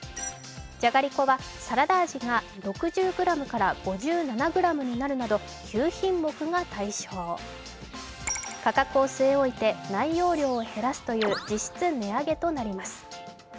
じゃがりこはサラダ味が６０ｇから５７ｇになるなど９品目が対象価格を据え置いて内容量を減らすという実質値上げになります。